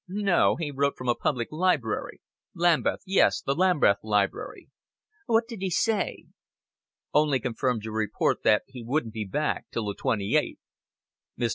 "No, he wrote from a public library. Lambeth yes, the Lambeth Library." "What did he say?" "Only confirmed your report that he wouldn't be back till the twenty eighth." Mr.